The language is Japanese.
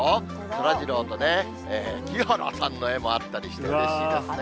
そらジローとね、木原さんの絵もあったりして、うれしいですね。